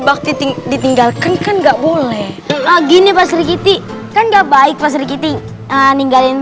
bakti tinggi ditinggalkan kan nggak boleh gini pasri kitty kan gak baik pasri kitty aninggalin